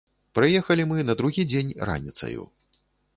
Прыехалі мы на другі дзень раніцаю.